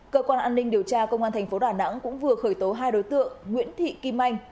cơ quan an ninh điều tra công an thành phố đà nẵng cũng vừa khởi tố hai đối tượng nguyễn thị kim anh